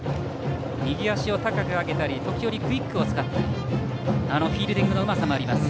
右足を高く上げたり時折クイックを使ったりフィールディングのうまさもあります。